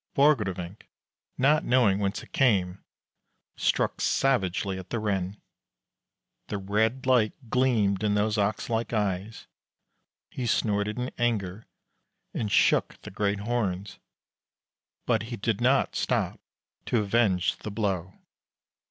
Borgrevinck, not knowing whence it came, struck savagely at the Ren. The red light gleamed in those ox like eyes. He snorted in anger and shook the great horns, but he did not stop to avenge the blow.